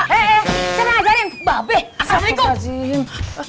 heee cara ngajarin